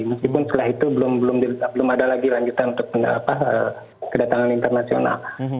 meskipun setelah itu belum ada lagi lanjutan untuk kedatangan internasional